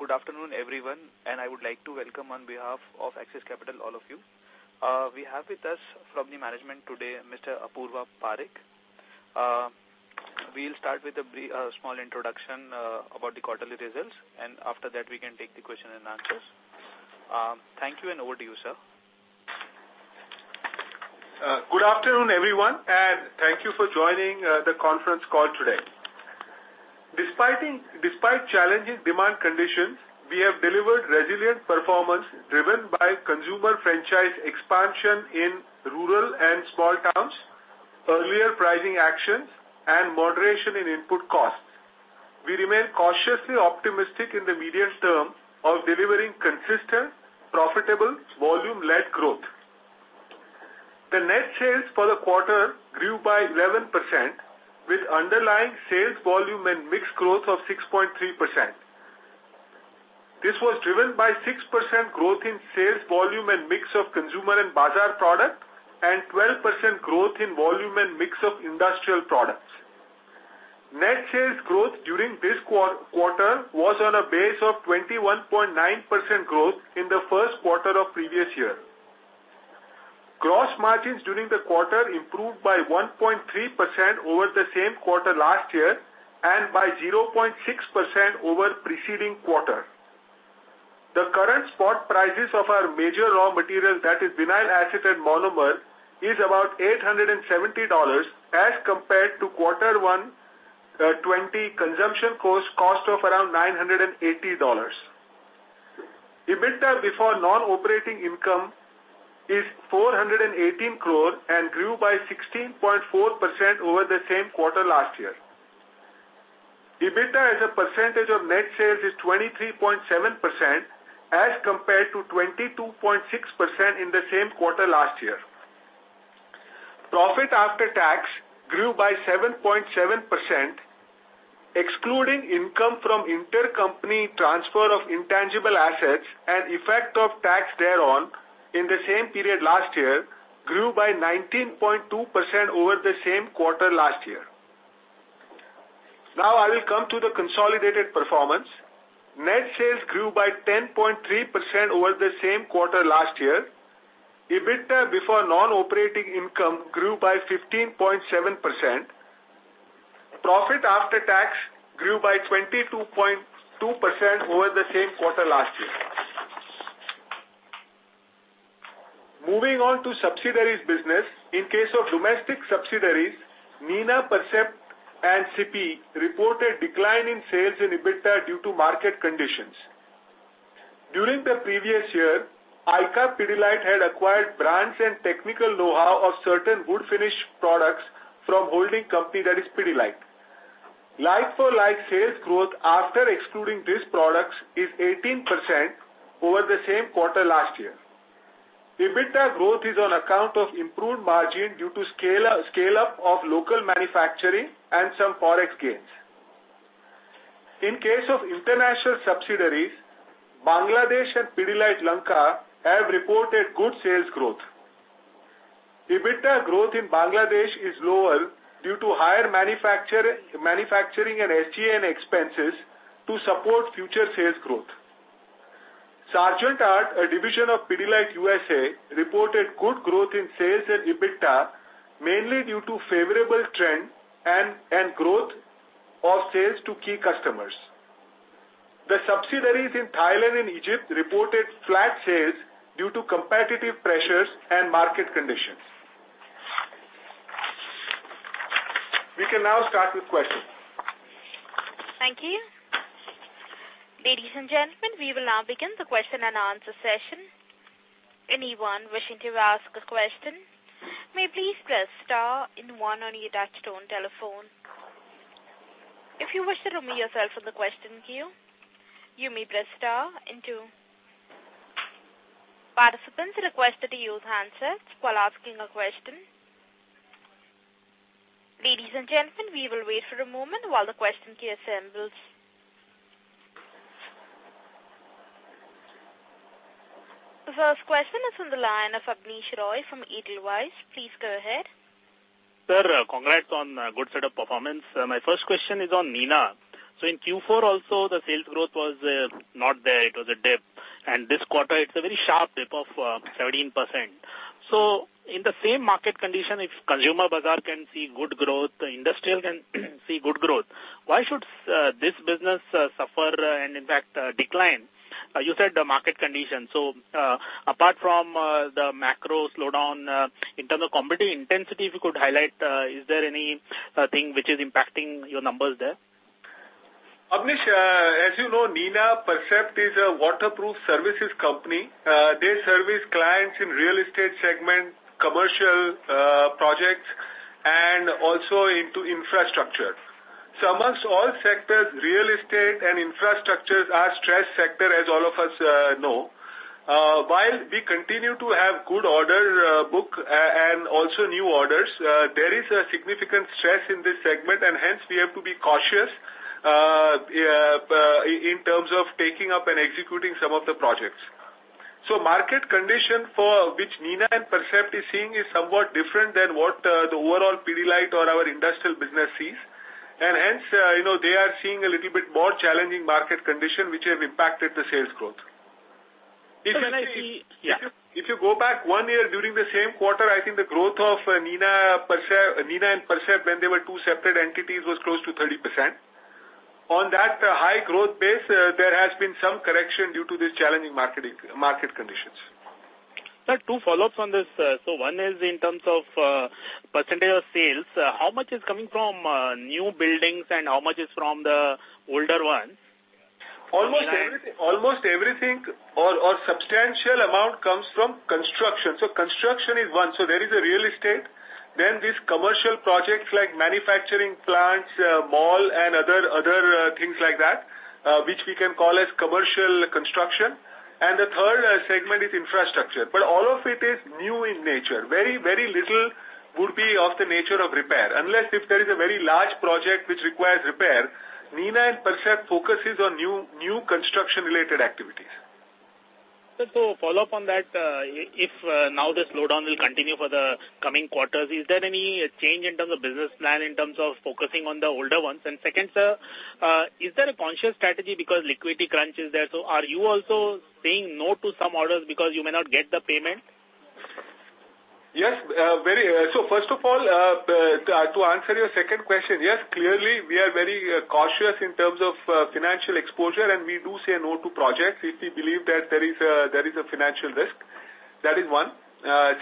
Good afternoon, everyone, and I would like to welcome on behalf of Axis Capital, all of you. We have with us from the management today, Mr. Apurva Parekh. We'll start with a small introduction about the quarterly results, and after that, we can take the question and answers. Thank you, and over to you, sir. Good afternoon, everyone, and thank you for joining the conference call today. Despite challenging demand conditions, we have delivered resilient performance driven by consumer franchise expansion in rural and small towns, earlier pricing actions, and moderation in input costs. We remain cautiously optimistic in the medium term of delivering consistent, profitable, volume-led growth. The net sales for the quarter grew by 11%, with underlying sales volume and mix growth of 6.3%. This was driven by 6% growth in sales volume and mix of consumer and bazaar product, and 12% growth in volume and mix of industrial products. Net sales growth during this quarter was on a base of 21.9% growth in the first quarter of previous year. Gross margins during the quarter improved by 1.3% over the same quarter last year, and by 0.6% over preceding quarter. The current spot prices of our major raw material, that is vinyl acetate monomer, is about $870 as compared to quarter one 2020 consumption cost of around $980. EBITDA before non-operating income is 418 crore and grew by 16.4% over the same quarter last year. EBITDA as a percentage of net sales is 23.7% as compared to 22.6% in the same quarter last year. Profit after tax grew by 7.7%, excluding income from intercompany transfer of intangible assets and effect of tax thereon in the same period last year, grew by 19.2% over the same quarter last year. I will come to the consolidated performance. Net sales grew by 10.3% over the same quarter last year. EBITDA before non-operating income grew by 15.7%. Profit after tax grew by 22.2% over the same quarter last year. Moving on to subsidiaries business. In case of domestic subsidiaries, Nina Percept and CPE reported decline in sales and EBITDA due to market conditions. During the previous year, ICA Pidilite had acquired brands and technical knowhow of certain wood finish products from holding company that is Pidilite. Like-for-like sales growth after excluding these products is 18% over the same quarter last year. EBITDA growth is on account of improved margin due to scale-up of local manufacturing and some ForEx gains. In case of international subsidiaries, Bangladesh and Pidilite Lanka have reported good sales growth. EBITDA growth in Bangladesh is lower due to higher manufacturing and SG&A expenses to support future sales growth. Sargent Art, a division of Pidilite USA, reported good growth in sales and EBITDA, mainly due to favorable trend and growth of sales to key customers. The subsidiaries in Thailand and Egypt reported flat sales due to competitive pressures and market conditions. We can now start with questions. Thank you. Ladies and gentlemen, we will now begin the question and answer session. Anyone wishing to ask a question, may please press star and one on your touchtone telephone. If you wish to remove yourself from the question queue, you may press star and two. Participants are requested to use handsets while asking a question. Ladies and gentlemen, we will wait for a moment while the question queue assembles. The first question is on the line of Abneesh Roy from Edelweiss. Please go ahead. Sir, congrats on good set of performance. My first question is on Nina. In Q4 also, the sales growth was not there. It was a dip. This quarter, it's a very sharp dip of 17%. In the same market condition, if consumer business can see good growth, industrial can see good growth, why should this business suffer and in fact, decline? You said the market condition. Apart from the macro slowdown, in terms of competitive intensity, if you could highlight, is there anything which is impacting your numbers there? Abneesh, as you know, Nina Percept is a waterproof services company. They service clients in real estate segment, commercial projects, and also into infrastructure. Amongst all sectors, real estate and infrastructures are stressed sector, as all of us know. While we continue to have good order book and also new orders, there is a significant stress in this segment, and hence we have to be cautious in terms of taking up and executing some of the projects. Market condition for which Nina Percept is seeing is somewhat different than what the overall Pidilite or our industrial business sees. Hence, they are seeing a little bit more challenging market condition, which have impacted the sales growth. Can I- Yeah. If you go back one year during the same quarter, I think the growth of Nina and Percept when they were two separate entities was close to 30%. On that high growth base, there has been some correction due to this challenging market conditions. Sir, two follow-ups on this. One is in terms of % of sales. How much is coming from new buildings and how much is from the older ones? Almost everything or substantial amount comes from construction. Construction is one. There is a real estate, these commercial projects like manufacturing plants, mall, and other things like that which we can call as commercial construction. The third segment is infrastructure. All of it is new in nature. Very little would be of the nature of repair. Unless if there is a very large project which requires repair, Nina Percept focuses on new construction-related activities. Sir, follow-up on that. If now the slowdown will continue for the coming quarters, is there any change in terms of business plan, in terms of focusing on the older ones? Second, sir, is there a conscious strategy because liquidity crunch is there, so are you also saying no to some orders because you may not get the payment? Yes. First of all, to answer your second question, yes, clearly, we are very cautious in terms of financial exposure, and we do say no to projects if we believe that there is a financial risk. That is one.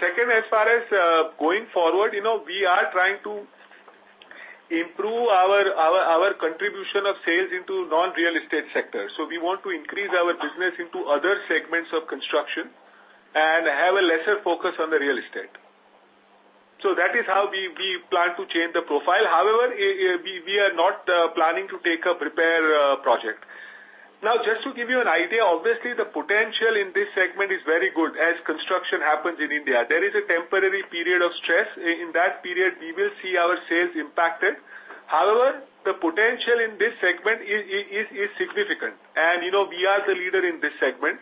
Second, as far as going forward, we are trying to improve our contribution of sales into non-real estate sector. We want to increase our business into other segments of construction and have a lesser focus on the real estate. That is how we plan to change the profile. However, we are not planning to take a repair project. Just to give you an idea, obviously the potential in this segment is very good as construction happens in India. There is a temporary period of stress. In that period, we will see our sales impacted. However, the potential in this segment is significant. We are the leader in this segment.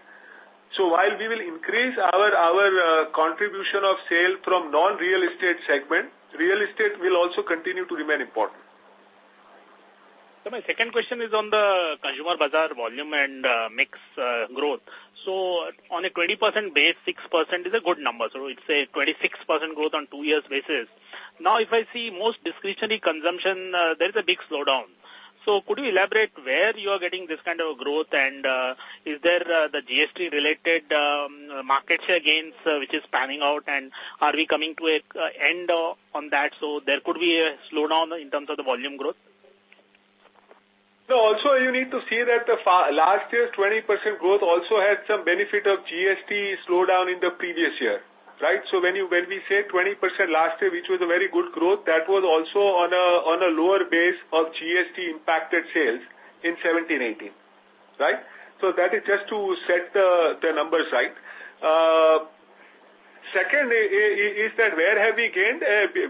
While we will increase our contribution of sale from non-real estate segment, real estate will also continue to remain important. My second question is on the Consumer Bazaar volume and mix growth. On a 20% base, 6% is a good number. It's a 26% growth on two years basis. Now, if I see most discretionary consumption, there is a big slowdown. Could you elaborate where you are getting this kind of a growth and is there the GST related market share gains which is panning out, and are we coming to an end on that, there could be a slowdown in terms of the volume growth? No. Also, you need to see that last year's 20% growth also had some benefit of GST slowdown in the previous year. Right? When we say 20% last year, which was a very good growth, that was also on a lower base of GST impacted sales in 2017, 2018. Right? That is just to set the numbers right. Second is that where have we gained?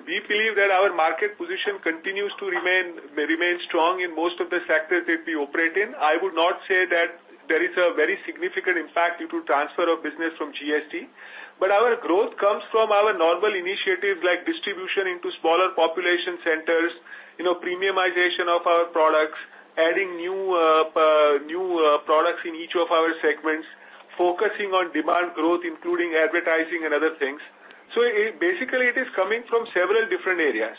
We believe that our market position continues to remain strong in most of the sectors that we operate in. I would not say that there is a very significant impact due to transfer of business from GST. Our growth comes from our normal initiatives like distribution into smaller population centers, premiumization of our products, adding new products in each of our segments, focusing on demand growth, including advertising and other things. Basically it is coming from several different areas.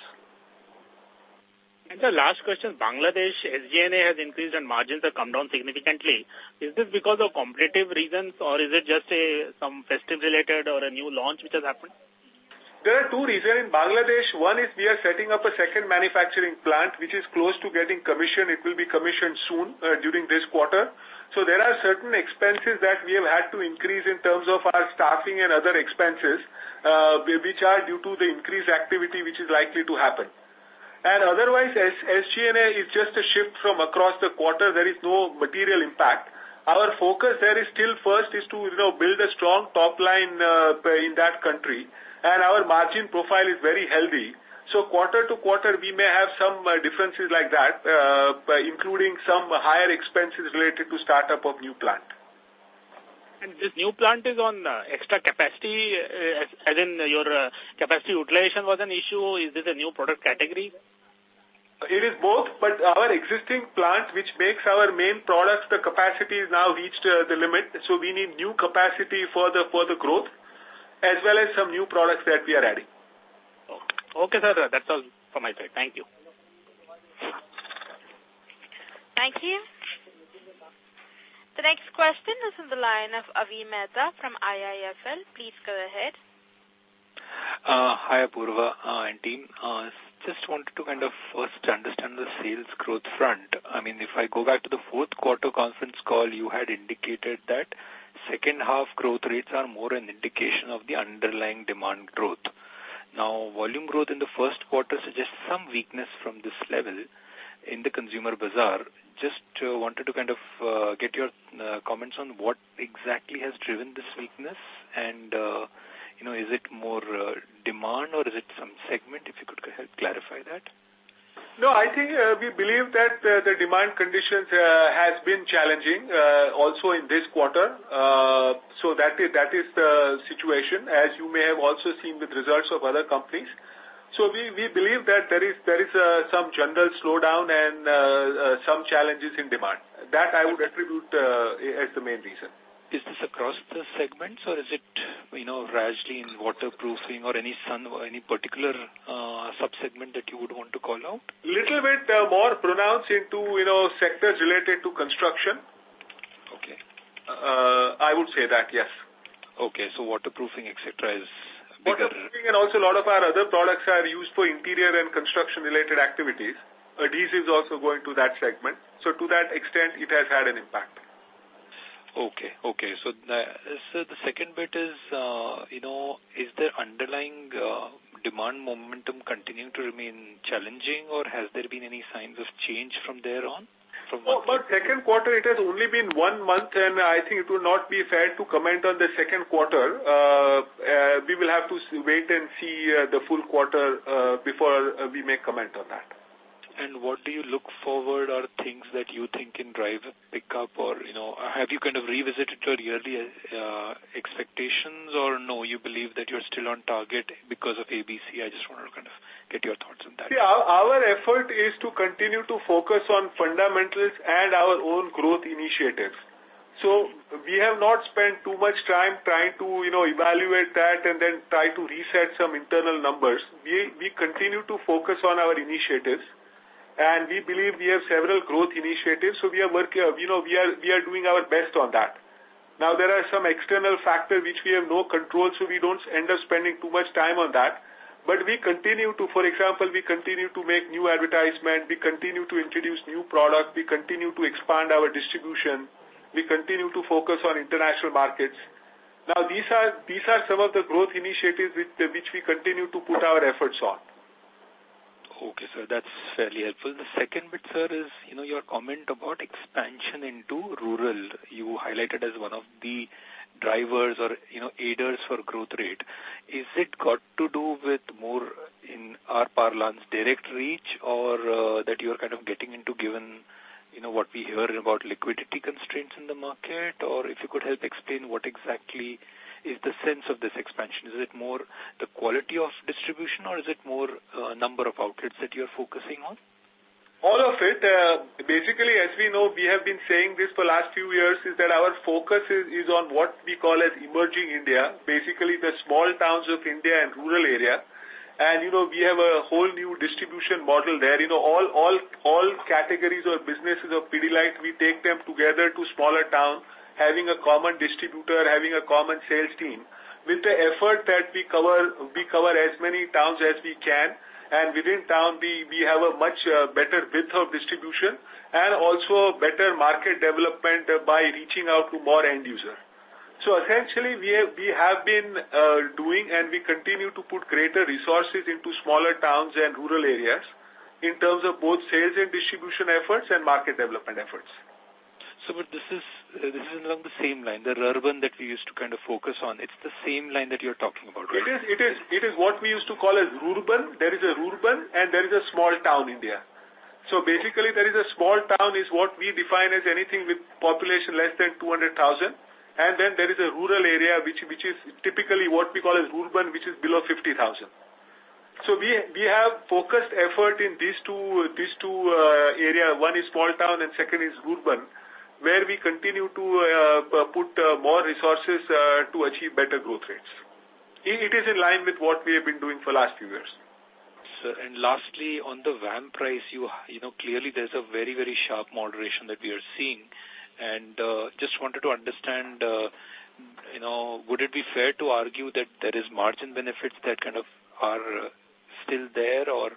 Sir last question, Bangladesh SG&A has increased and margins have come down significantly. Is this because of competitive reasons or is it just some festive related or a new launch which has happened? There are two reasons in Bangladesh. One is we are setting up a second manufacturing plant, which is close to getting commissioned. It will be commissioned soon, during this quarter. There are certain expenses that we have had to increase in terms of our staffing and other expenses, which are due to the increased activity which is likely to happen. Otherwise, SG&A is just a shift from across the quarter. There is no material impact. Our focus there is still first is to build a strong top line in that country. Our margin profile is very healthy. Quarter to quarter, we may have some differences like that, including some higher expenses related to startup of new plant. This new plant is on extra capacity, as in your capacity utilization was an issue? Is this a new product category? It is both. Our existing plant, which makes our main products, the capacity has now reached the limit. We need new capacity for the growth, as well as some new products that we are adding. Okay, sir. That's all from my side. Thank you. Thank you. The next question is on the line of Avi Mehta from IIFL. Please go ahead. Hi, Apurva and team. Just wanted to kind of first understand the sales growth front. If I go back to the fourth quarter conference call, you had indicated that second half growth rates are more an indication of the underlying demand growth. Now, volume growth in the first quarter suggests some weakness from this level in the Consumer Bazaar. Just wanted to kind of get your comments on what exactly has driven this weakness, and is it more demand or is it some segment? If you could help clarify that. No, I think we believe that the demand conditions have been challenging also in this quarter. That is the situation, as you may have also seen with results of other companies. We believe that there is some general slowdown and some challenges in demand. That I would attribute as the main reason. Is this across the segments or is it vastly in waterproofing or any particular sub-segment that you would want to call out? Little bit more pronounced into sectors related to construction. Okay. I would say that, yes. Okay. Waterproofing, et cetera, is bigger. Waterproofing and also a lot of our other products are used for interior and construction-related activities. Adhesives also go into that segment. To that extent, it has had an impact. Okay. The second bit is the underlying demand momentum continuing to remain challenging, or have there been any signs of change from there on? No, second quarter, it has only been one month, and I think it will not be fair to comment on the second quarter. We will have to wait and see the full quarter before we make comment on that. What do you look forward or things that you think can drive pickup, or have you kind of revisited your yearly expectations or no, you believe that you're still on target because of ABC? I just want to kind of get your thoughts on that. Our effort is to continue to focus on fundamentals and our own growth initiatives. We have not spent too much time trying to evaluate that and then try to reset some internal numbers. We continue to focus on our initiatives, and we believe we have several growth initiatives. We are doing our best on that. There are some external factors which we have no control, so we don't end up spending too much time on that. For example, we continue to make new advertisements, we continue to introduce new products, we continue to expand our distribution, we continue to focus on international markets. These are some of the growth initiatives which we continue to put our efforts on. Okay, sir. That's fairly helpful. The second bit, sir, is your comment about expansion into rural. You highlighted as one of the drivers or aiders for growth rate. Is it got to do with more in our parlance, direct reach or that you're kind of getting into given what we hear about liquidity constraints in the market, or if you could help explain what exactly is the sense of this expansion? Is it more the quality of distribution or is it more number of outlets that you're focusing on? All of it. Basically, as we know, we have been saying this for the last few years, is that our focus is on what we call as emerging India. Basically, the small towns of India and rural area. We have a whole new distribution model there. All categories of businesses of Pidilite, we take them together to smaller towns, having a common distributor, having a common sales team. With the effort that we cover as many towns as we can, within town, we have a much better width of distribution and also better market development by reaching out to more end user. Essentially, we have been doing, and we continue to put greater resources into smaller towns and rural areas in terms of both sales and distribution efforts and market development efforts. This is along the same line, the urban that we used to kind of focus on. It's the same line that you're talking about, right? It is what we used to call as rural. There is a rural and there is a small town India. There is a small town is what we define as anything with population less than 200,000. There is a rural area, which is typically what we call as rural, which is below 50,000. We have focused effort in these two areas. One is small town, and second is rural, where we continue to put more resources to achieve better growth rates. It is in line with what we have been doing for last few years. Sir, lastly, on the VAM price, clearly there's a very sharp moderation that we are seeing. Just wanted to understand, would it be fair to argue that there is margin benefits that kind of are still there, or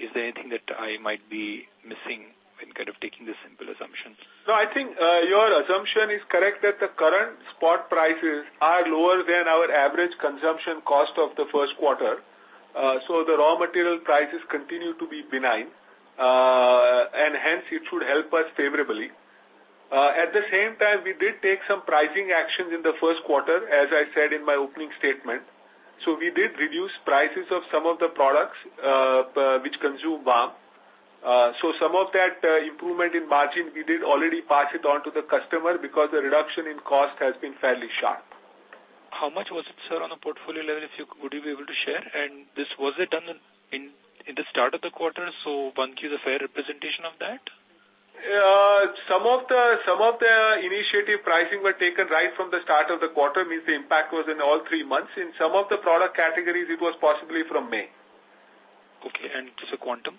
is there anything that I might be missing in kind of taking the simple assumptions? No, I think your assumption is correct that the current spot prices are lower than our average consumption cost of the first quarter. The raw material prices continue to be benign, and hence it should help us favorably. At the same time, we did take some pricing action in the first quarter, as I said in my opening statement. We did reduce prices of some of the products, which consume VAM. Some of that improvement in margin, we did already pass it on to the customer because the reduction in cost has been fairly sharp. How much was it, sir, on a portfolio level, would you be able to share? This was done in the start of the quarter, so one gives a fair representation of that? Some of the initiative pricing were taken right from the start of the quarter, means the impact was in all three months. In some of the product categories, it was possibly from May. Okay. Just the quantum?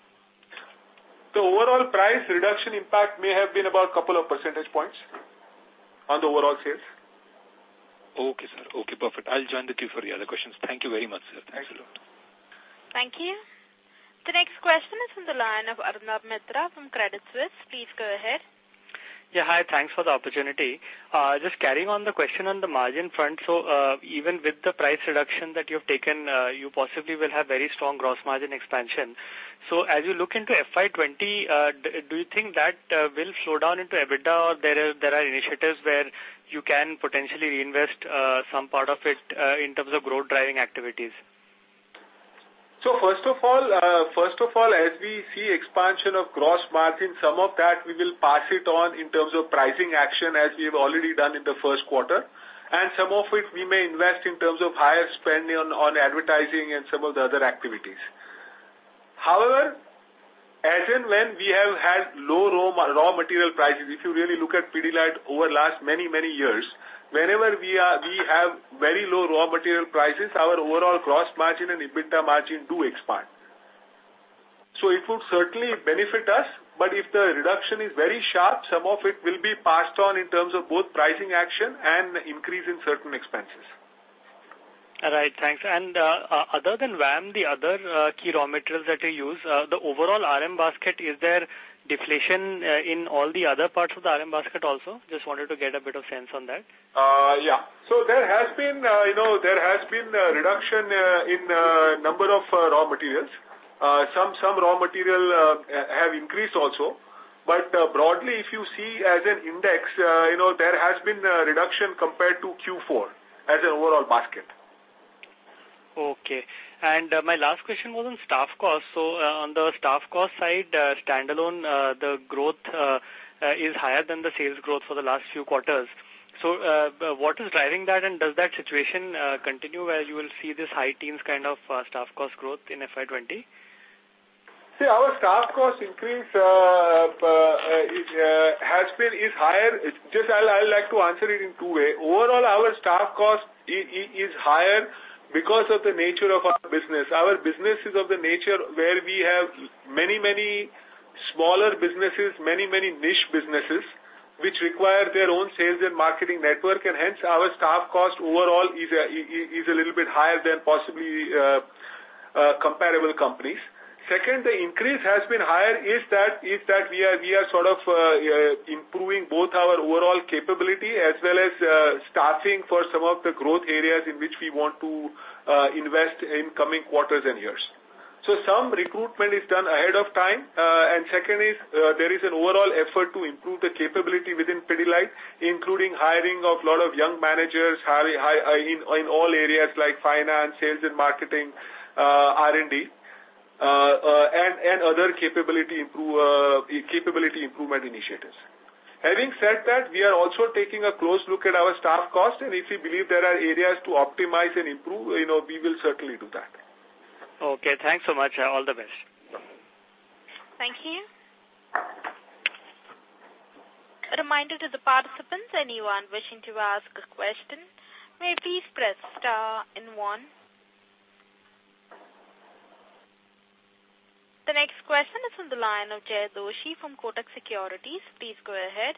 The overall price reduction impact may have been about a couple of percentage points on the overall sales. Okay, sir. Okay, perfect. I'll join the queue for the other questions. Thank you very much, sir. Thanks a lot. Thank you. The next question is from the line of Arnab Mitra from Credit Suisse. Please go ahead. Yeah, hi. Thanks for the opportunity. Just carrying on the question on the margin front. Even with the price reduction that you've taken, you possibly will have very strong gross margin expansion. As you look into FY 2020, do you think that will slow down into EBITDA or there are initiatives where you can potentially reinvest some part of it in terms of growth-driving activities? First of all, as we see expansion of gross margin, some of that we will pass it on in terms of pricing action, as we've already done in the first quarter. Some of it we may invest in terms of higher spend on advertising and some of the other activities. However, as in when we have had low raw material prices, if you really look at Pidilite over the last many, many years, whenever we have very low raw material prices, our overall gross margin and EBITDA margin do expand. It will certainly benefit us, but if the reduction is very sharp, some of it will be passed on in terms of both pricing action and increase in certain expenses. All right, Thanks. Other than VAM, the other key raw materials that you use, the overall RM basket, is there deflation in all the other parts of the RM basket also? Just wanted to get a bit of sense on that. There has been a reduction in a number of raw materials. Some raw material have increased also. Broadly, if you see as an index, there has been a reduction compared to Q4 as an overall basket. My last question was on staff costs. On the staff cost side, standalone, the growth is higher than the sales growth for the last few quarters. What is driving that, and does that situation continue where you will see this high teens kind of staff cost growth in FY 2020? Our staff cost increase is higher. I'd like to answer it in two way. Overall, our staff cost is higher because of the nature of our business. Our business is of the nature where we have many, many smaller businesses, many, many niche businesses, which require their own sales and marketing network. Hence our staff cost overall is a little bit higher than possibly comparable companies. Second, the increase has been higher is that, we are sort of improving both our overall capability as well as staffing for some of the growth areas in which we want to invest in coming quarters and years. Some recruitment is done ahead of time. Second is, there is an overall effort to improve the capability within Pidilite, including hiring of a lot of young managers in all areas like finance, sales and marketing, R&D, and other capability improvement initiatives. Having said that, we are also taking a close look at our staff cost, and if we believe there are areas to optimize and improve, we will certainly do that. Okay, thanks so much. All the best. Thank you. A reminder to the participants, anyone wishing to ask a question, may please press star and one. The next question is on the line of Jaykumar Doshi from Kotak Securities. Please go ahead.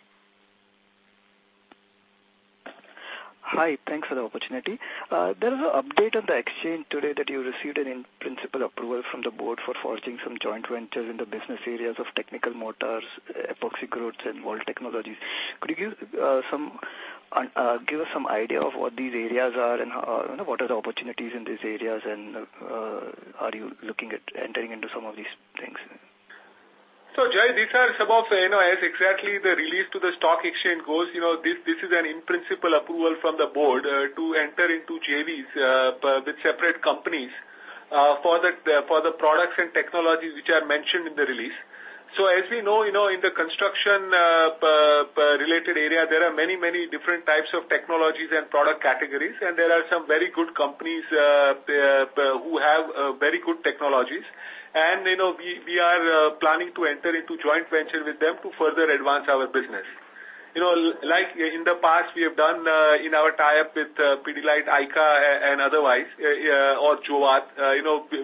Hi, thanks for the opportunity. There is an update on the exchange today that you received an in-principle approval from the board for forging some joint ventures in the business areas of technical mortars, epoxy grouts and bolt technologies. Could you give us some idea of what these areas are and what are the opportunities in these areas, and are you looking at entering into some of these things? Jay, these are some of, as exactly the release to the stock exchange goes, this is an in-principle approval from the board to enter into JVs with separate companies, for the products and technologies which are mentioned in the release. As we know, in the construction-related area, there are many different types of technologies and product categories, and there are some very good companies who have very good technologies. We are planning to enter into joint venture with them to further advance our business. Like in the past, we have done in our tie-up with Pidilite ICA and otherwise, or Jowat.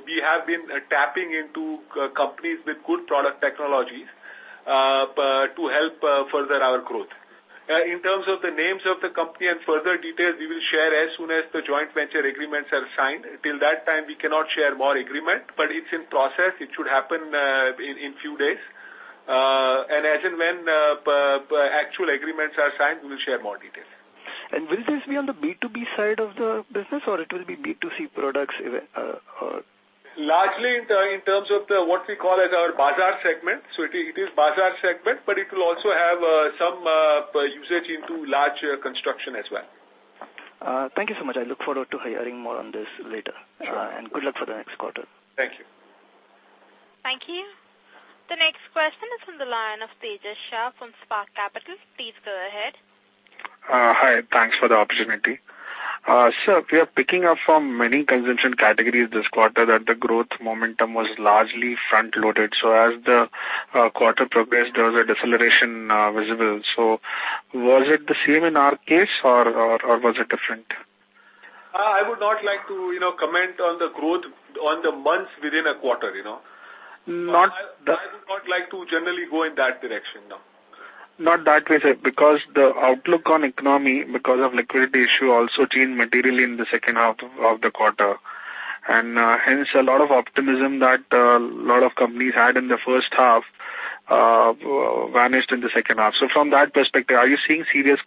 We have been tapping into companies with good product technologies to help further our growth. In terms of the names of the company and further details, we will share as soon as the joint venture agreements are signed. Till that time, we cannot share more agreement, but it's in process. It should happen in few days. As and when actual agreements are signed, we will share more details. Will this be on the B2B side of the business or it will be B2C products? Largely in terms of what we call as our bazaar segment. It is bazaar segment, but it will also have some usage into larger construction as well. Thank you so much. I look forward to hearing more on this later. Sure. Good luck for the next quarter. Thank you. Thank you. The next question is on the line of Tejash Shah from Spark Capital. Please go ahead. Hi, thanks for the opportunity. Sir, we are picking up from many consumption categories this quarter that the growth momentum was largely front-loaded. As the quarter progressed, there was a deceleration visible. Was it the same in our case or was it different? I would not like to comment on the growth on the months within a quarter. Not the- I would not like to generally go in that direction, no. Not that way, sir, because the outlook on economy, because of liquidity issue also changed materially in the second half of the quarter. Hence a lot of optimism that a lot of companies had in the first half vanished in the second half. From that perspective, are you seeing serious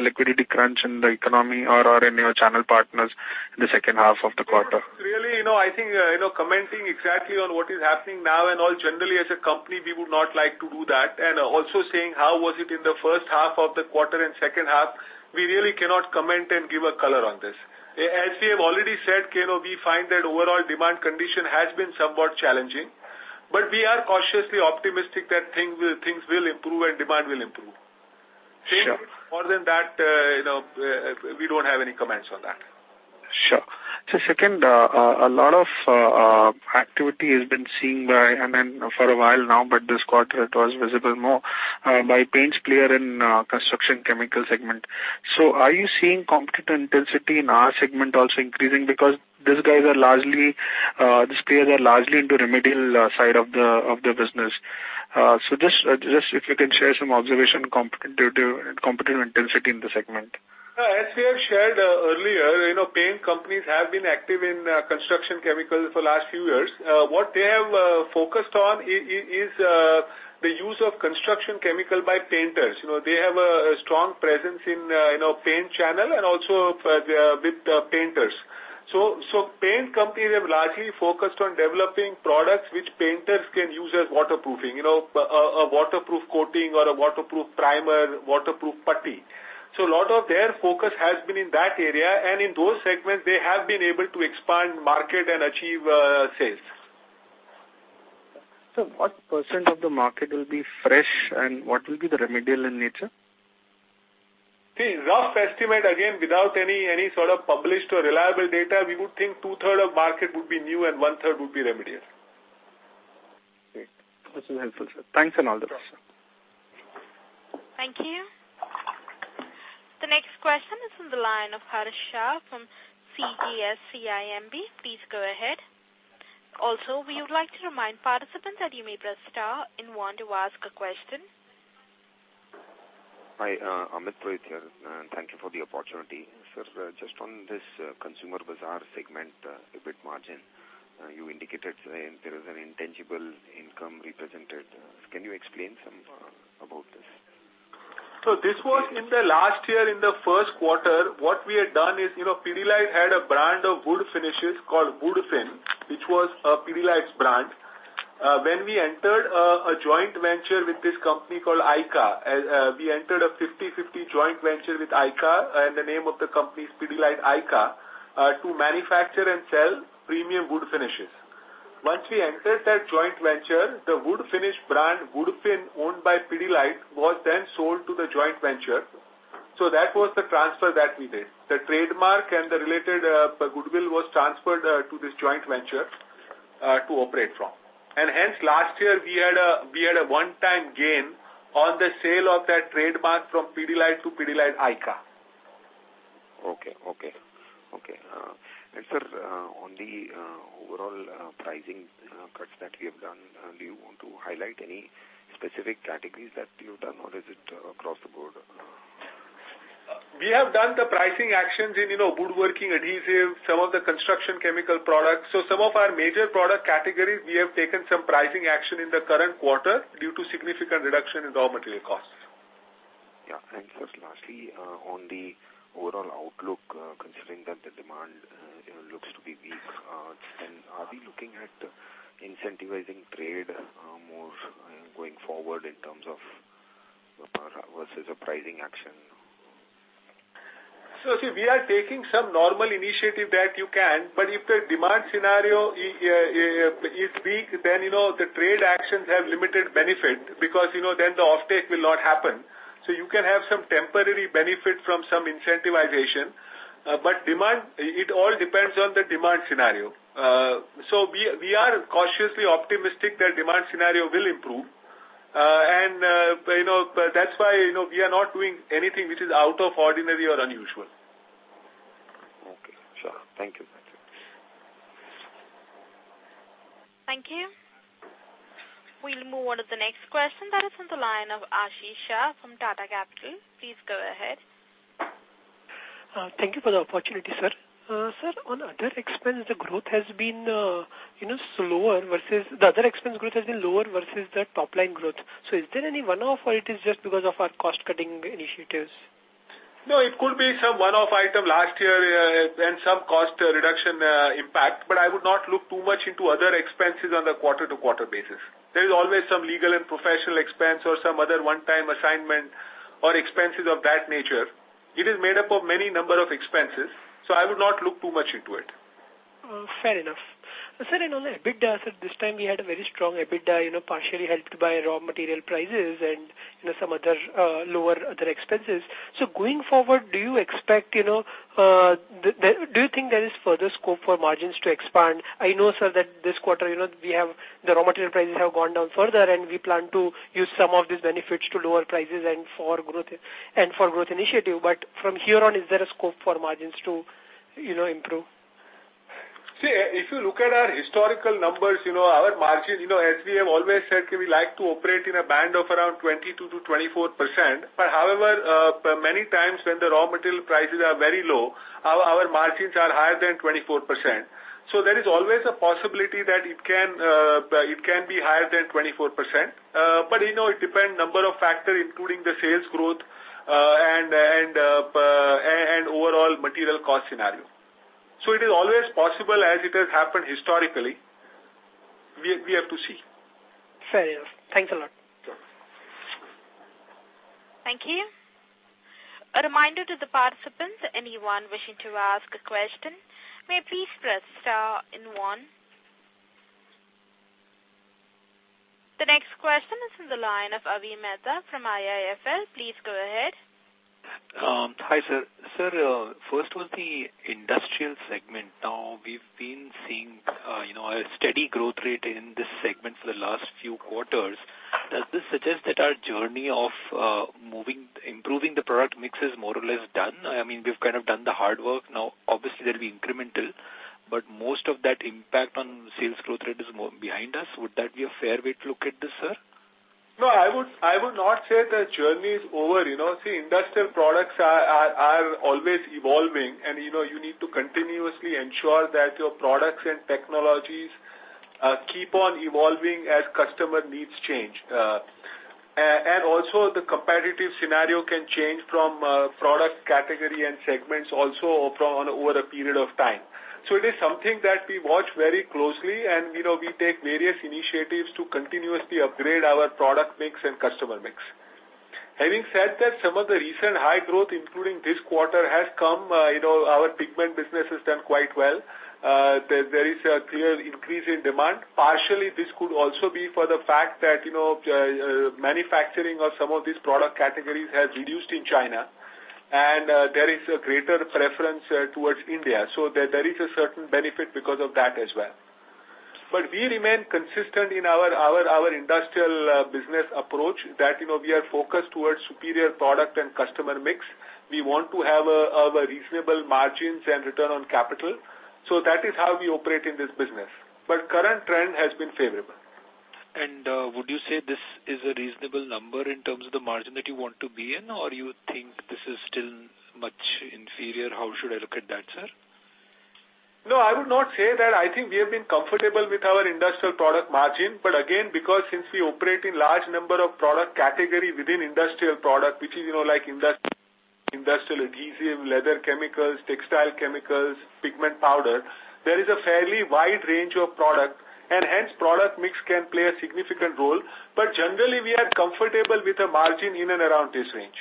liquidity crunch in the economy or any of your channel partners in the second half of the quarter? Really, I think, commenting exactly on what is happening now and all generally as a company, we would not like to do that. Also saying how was it in the first half of the quarter and second half, we really cannot comment and give a color on this. As we have already said, we find that overall demand condition has been somewhat challenging. We are cautiously optimistic that things will improve and demand will improve. Sure. More than that, we don't have any comments on that. Sure. Second, a lot of activity has been seen by MNC for a while now, but this quarter it was visible more by paints player in construction chemical segment. Are you seeing competitive intensity in our segment also increasing? These players are largely into remedial side of the business. Just if you can share some observation on competitive intensity in the segment. As we have shared earlier, paint companies have been active in construction chemicals for the last few years. What they have focused on is the use of construction chemical by painters. They have a strong presence in paint channel and also with painters. Paint companies have largely focused on developing products which painters can use as waterproofing, a waterproof coating or a waterproof primer, waterproof putty. A lot of their focus has been in that area. In those segments, they have been able to expand market and achieve sales. What % of the market will be fresh and what will be the remedial in nature? See, rough estimate, again, without any sort of published or reliable data, we would think 2/3 of market would be new and 1/3 would be remedial. Great. This is helpful, sir. Thanks an all, sir. Thank you. The next question is on the line of Harsh Shah from CGS-CIMB. Please go ahead. Also, we would like to remind participants that you may press star if you want to ask a question. Hi, Amit Prajit here, and thank you for the opportunity. Sir, just on this consumer bazaar segment, EBIT margin, you indicated there is an intangible income represented. Can you explain some about this? This was in the last year in the first quarter. What we had done is Pidilite had a brand of wood finishes called Woodfin, which was Pidilite's brand. We entered a joint venture with this company called ICA. We entered a 50/50 joint venture with ICA, the name of the company is Pidilite ICA, to manufacture and sell premium wood finishes. Once we entered that joint venture, the wood finish brand, Woodfin, owned by Pidilite, was then sold to the joint venture. That was the transfer that we did. The trademark and the related goodwill was transferred to this joint venture to operate from. Hence, last year, we had a one-time gain on the sale of that trademark from Pidilite to Pidilite ICA. Okay. Sir, on the overall pricing cuts that we have done, do you want to highlight any specific categories that you've done, or is it across the board? We have done the pricing actions in woodworking adhesives, some of the construction chemical products. Some of our major product categories, we have taken some pricing action in the current quarter due to significant reduction in raw material costs. Yeah. Sir, lastly, on the overall outlook, considering that the demand looks to be weak, and are we looking at incentivizing trade more going forward in terms of versus a pricing action? See, we are taking some normal initiative that you can. If the demand scenario is weak, then the trade actions have limited benefit because then the offtake will not happen. You can have some temporary benefit from some incentivization. It all depends on the demand scenario. We are cautiously optimistic that demand scenario will improve. That's why we are not doing anything which is out of ordinary or unusual. Okay. Sure. Thank you. Thank you. We'll move on to the next question that is on the line of Ashish Shah from Tata Capital. Please go ahead. Thank you for the opportunity, sir. The other expense growth has been lower versus the top-line growth. Is there any one-off or it is just because of our cost-cutting initiatives? It could be some one-off item last year and some cost reduction impact, but I would not look too much into other expenses on the quarter-to-quarter basis. There is always some legal and professional expense or some other one-time assignment or expenses of that nature. It is made up of many number of expenses, so I would not look too much into it. Fair enough. Sir, on the EBITDA, sir, this time we had a very strong EBITDA, partially helped by raw material prices and some other lower other expenses. Going forward, do you think there is further scope for margins to expand? I know, sir, that this quarter, the raw material prices have gone down further and we plan to use some of these benefits to lower prices and for growth initiative. From here on, is there a scope for margins to improve? If you look at our historical numbers, our margin, as we have always said, we like to operate in a band of around 22%-24%. However, many times when the raw material prices are very low, our margins are higher than 24%. There is always a possibility that it can be higher than 24%. It depends number of factors, including the sales growth and overall material cost scenario. It is always possible as it has happened historically. We have to see. Fair enough. Thanks a lot. Thank you. A reminder to the participants, anyone wishing to ask a question, may please press star and one. The next question is from the line of Avi Mehta from IIFL. Please go ahead. Hi, sir. Sir, first was the industrial segment. Now, we've been seeing a steady growth rate in this segment for the last few quarters. Does this suggest that our journey of improving the product mix is more or less done? We've kind of done the hard work. Now, obviously they'll be incremental, but most of that impact on sales growth rate is more behind us. Would that be a fair way to look at this, sir? No, I would not say the journey is over. See, industrial products are always evolving, and you need to continuously ensure that your products and technologies keep on evolving as customer needs change. Also, the competitive scenario can change from product category and segments also over a period of time. It is something that we watch very closely, and we take various initiatives to continuously upgrade our product mix and customer mix. Having said that, some of the recent high growth, including this quarter, has come. Our pigment business has done quite well. There is a clear increase in demand. Partially, this could also be for the fact that manufacturing of some of these product categories has reduced in China, and there is a greater preference towards India. There is a certain benefit because of that as well. We remain consistent in our industrial business approach that we are focused towards superior product and customer mix. We want to have reasonable margins and return on capital. That is how we operate in this business. Current trend has been favorable. Would you say this is a reasonable number in terms of the margin that you want to be in, or you think this is still much inferior? How should I look at that, sir? No, I would not say that. I think we have been comfortable with our industrial product margin. Again, because since we operate in large number of product category within industrial product, which is like industrial adhesive, leather chemicals, textile chemicals, pigment powder, there is a fairly wide range of product, hence product mix can play a significant role. Generally, we are comfortable with a margin in and around this range.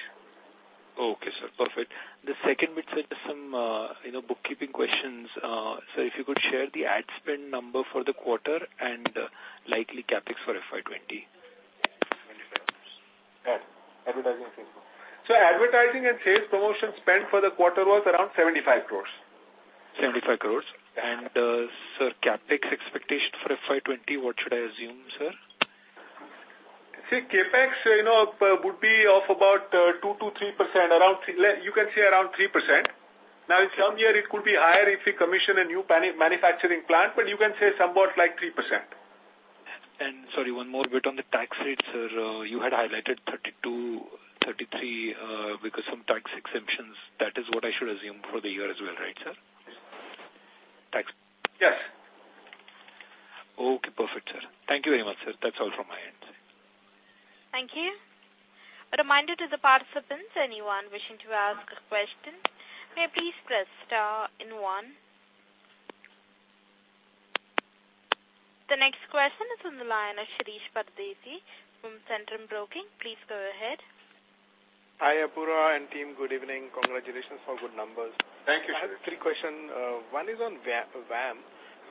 Okay, sir. Perfect. The second bit is some bookkeeping questions. Sir, if you could share the ad spend number for the quarter and likely CapEx for FY 2020. Yes. Advertising and sales promotion. Advertising and sales promotion spend for the quarter was around 75 crores. 75 crores. Sir, CapEx expectation for FY 2020, what should I assume, sir? CapEx would be of about 2%-3%, you can say around 3%. In some year, it could be higher if we commission a new manufacturing plant, but you can say somewhat 3%. Sorry, one more bit on the tax rate, sir. You had highlighted 32%, 33% because some tax exemptions, that is what I should assume for the year as well, right, sir? Yes. Okay, perfect, sir. Thank you very much, sir. That is all from my end, sir. Thank you. A reminder to the participants, anyone wishing to ask a question, may please press star and one. The next question is from the line of Shirish Pardeshi from Centrum Broking. Please go ahead. Hi, Apurva and team. Good evening. Congratulations for good numbers. Thank you, Shirish. I have three question. One is on VAM.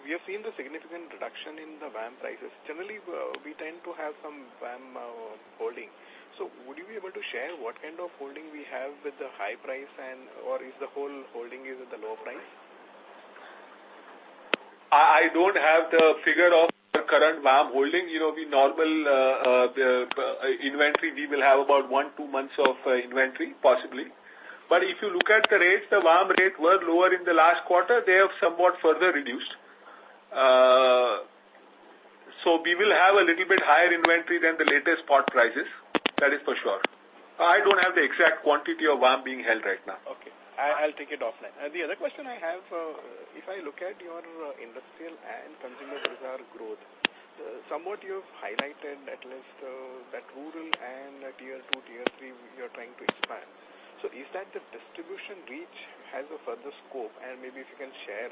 We have seen the significant reduction in the VAM prices. Generally, we tend to have some VAM holding. Would you be able to share what kind of holding we have with the high price, or is the whole holding is at the lower price? I don't have the figure of the current VAM holding. The normal inventory, we will have about one, two months of inventory, possibly. If you look at the rates, the VAM rates were lower in the last quarter. They have somewhat further reduced. We will have a little bit higher inventory than the latest spot prices. That is for sure. I don't have the exact quantity of VAM being held right now. Okay. I'll take it offline. The other question I have, if I look at your industrial and consumer business growth, somewhat you've highlighted at least that rural and tier 2, tier 3 you're trying to expand. Is that the distribution reach has a further scope? Maybe if you can share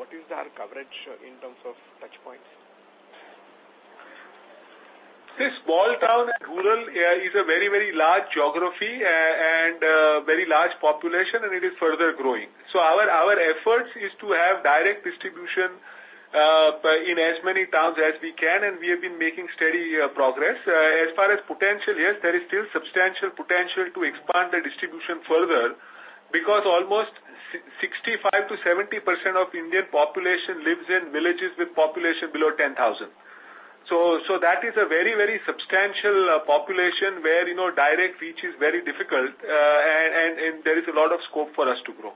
what is their coverage in terms of touchpoints? This small town and rural area is a very large geography and a very large population, and it is further growing. Our effort is to have direct distribution in as many towns as we can, and we have been making steady progress. As far as potential, yes, there is still substantial potential to expand the distribution further because almost 65%-70% of Indian population lives in villages with population below 10,000. That is a very substantial population where direct reach is very difficult, and there is a lot of scope for us to grow.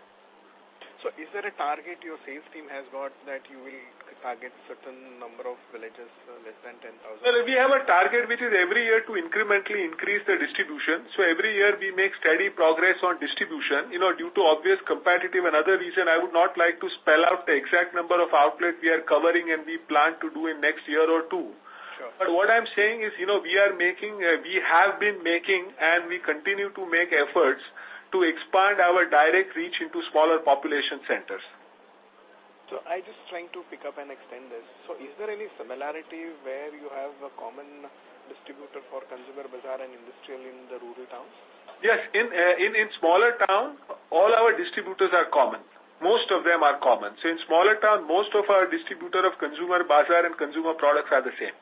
Is there a target your sales team has got that you will target certain number of villages less than 10,000? We have a target, which is every year to incrementally increase the distribution. Every year, we make steady progress on distribution. Due to obvious competitive and other reason, I would not like to spell out the exact number of outlets we are covering and we plan to do in next year or two. Sure. What I'm saying is, we have been making, and we continue to make efforts to expand our direct reach into smaller population centers. I'm just trying to pick up and extend this. Is there any similarity where you have a common distributor for consumer bazaar and industrial in the rural towns? Yes. In smaller towns, all our distributors are common. Most of them are common. In smaller towns, most of our distributor of consumer bazaar and consumer products are the same.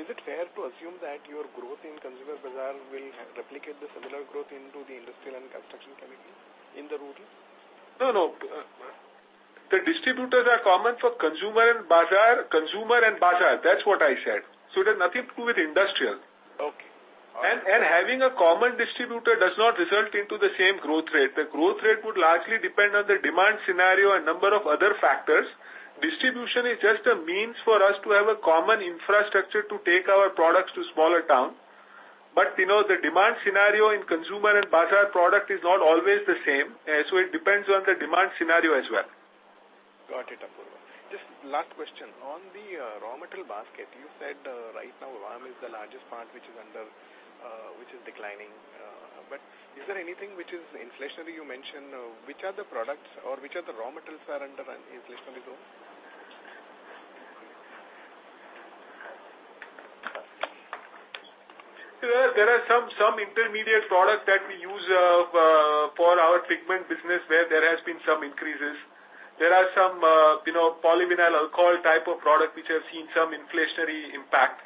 Is it fair to assume that your growth in consumer bazaar will replicate the similar growth into the industrial and construction chemicals in the rural? No, no. The distributors are common for consumer and bazaar. That's what I said. It has nothing to do with industrial. Okay. All right. Having a common distributor does not result into the same growth rate. The growth rate would largely depend on the demand scenario and number of other factors. Distribution is just a means for us to have a common infrastructure to take our products to smaller towns. The demand scenario in consumer and bazaar product is not always the same. It depends on the demand scenario as well. Got it, Apurva. Just last question. On the raw material basket, you said right now raw material is the largest part, which is declining. Is there anything which is inflationary? You mentioned which are the products or which of the raw materials are under inflationary growth? There are some intermediate products that we use for our pigment business where there has been some increases. There are some polyvinyl alcohol type of product which have seen some inflationary impact.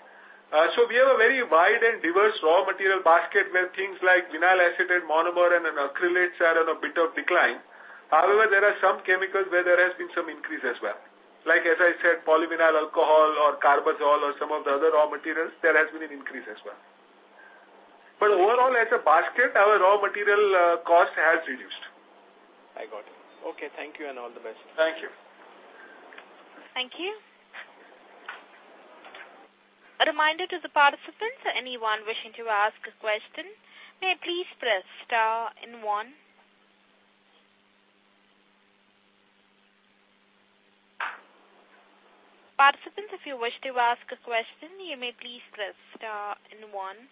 We have a very wide and diverse raw material basket where things like vinyl acetate monomer and acrylates are on a bit of decline. However, there are some chemicals where there has been some increase as well. Like as I said, polyvinyl alcohol or carbazole or some of the other raw materials, there has been an increase as well. Overall, as a basket, our raw material cost has reduced. I got it. Okay. Thank you and all the best. Thank you. Thank you. A reminder to the participants, anyone wishing to ask a question, may please press star and one. Participants, if you wish to ask a question, you may please press star and one.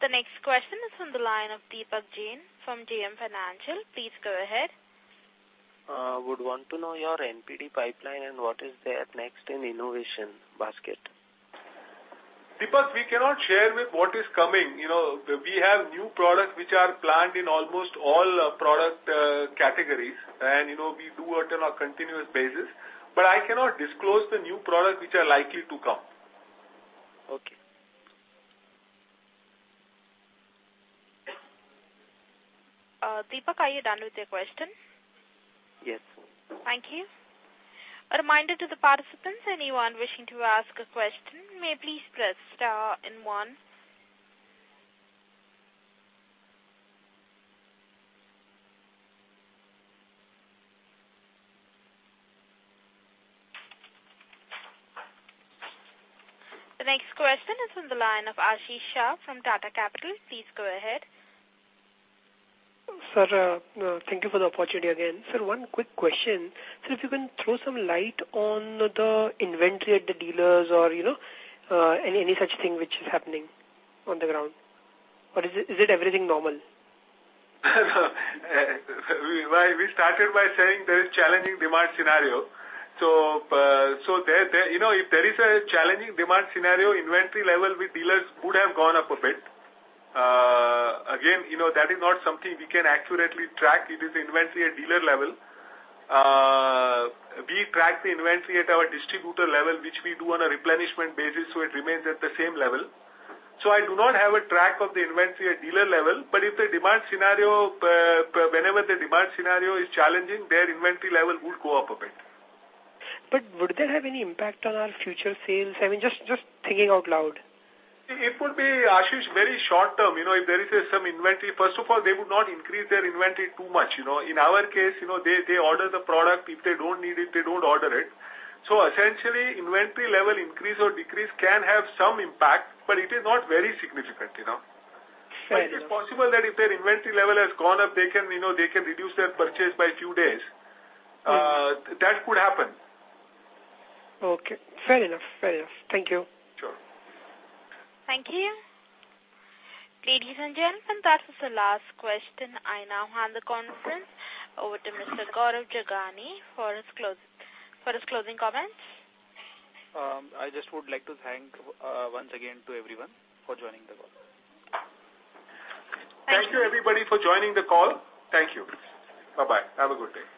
The next question is on the line of Deepak Jain from JM Financial. Please go ahead. Would want to know your NPD pipeline and what is there next in innovation basket. Deepak, we cannot share with what is coming. We have new products which are planned in almost all product categories. We do it on a continuous basis, but I cannot disclose the new products which are likely to come. Okay. Deepak, are you done with your question? Yes. Thank you. A reminder to the participants, anyone wishing to ask a question, may please press star and one. The next question is on the line of Ashish Shah from Tata Capital. Please go ahead. Sir, thank you for the opportunity again. Sir, one quick question. Sir, if you can throw some light on the inventory at the dealers or any such thing which is happening on the ground. Is everything normal? We started by saying there is challenging demand scenario. If there is a challenging demand scenario, inventory level with dealers could have gone up a bit. Again, that is not something we can accurately track. It is inventory at dealer level. We track the inventory at our distributor level, which we do on a replenishment basis, so it remains at the same level. I do not have a track of the inventory at dealer level. Whenever the demand scenario is challenging, their inventory level would go up a bit. Would that have any impact on our future sales? I mean, just thinking out loud. It would be, Ashish, very short term. If there is some inventory, first of all, they would not increase their inventory too much. In our case, they order the product. If they don't need it, they don't order it. Essentially, inventory level increase or decrease can have some impact, but it is not very significant. Fair enough. It's possible that if their inventory level has gone up, they can reduce their purchase by a few days. That could happen. Okay. Fair enough. Thank you. Sure. Thank you. Ladies and gentlemen, that was the last question. I now hand the conference over to Mr. Gaurav Jagani for his closing comments. I just would like to thank once again to everyone for joining the call. Thank you. Thank you, everybody, for joining the call. Thank you. Bye-bye. Have a good day.